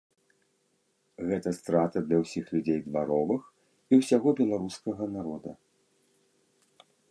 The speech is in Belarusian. Гэта страта для ўсіх людзей дваровых і ўсяго беларускага народа.